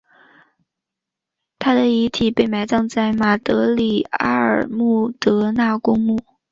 她的遗体被埋葬在马德里阿尔穆德纳公墓。